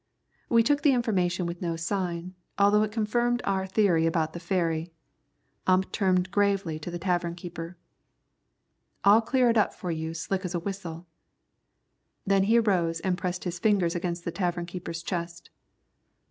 We took the information with no sign, although it confirmed our theory about the ferry. Ump turned gravely to the tavern keeper. "I'll clear it all up for you slick as a whistle." Then he arose and pressed his fingers against the tavern keeper's chest.